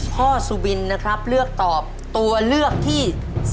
สุบินนะครับเลือกตอบตัวเลือกที่๔